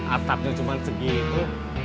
atapnya cuma segitu